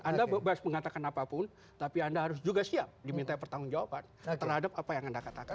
anda bebas mengatakan apapun tapi anda harus juga siap diminta pertanggung jawaban terhadap apa yang anda katakan